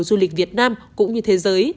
du lịch việt nam cũng như thế giới